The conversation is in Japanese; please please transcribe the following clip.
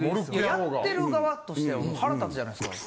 やってる側としては腹立つじゃないですか。